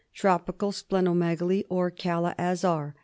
Tropical Spleno megaly or Kala Azar.